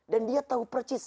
dan dia tahu percis